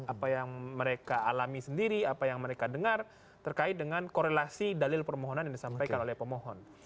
apa yang mereka alami sendiri apa yang mereka dengar terkait dengan korelasi dalil permohonan yang disampaikan oleh pemohon